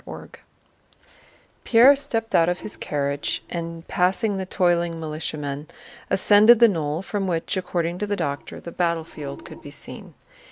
CHAPTER XXI Pierre stepped out of his carriage and, passing the toiling militiamen, ascended the knoll from which, according to the doctor, the battlefield could be seen.